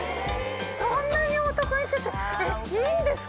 こんなにお得にしちゃってえっいいんですか？